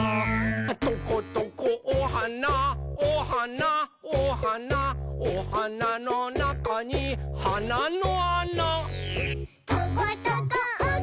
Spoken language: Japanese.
「トコトコおはなおはなおはなおはなのなかにはなのあな」「トコトコおくちおくち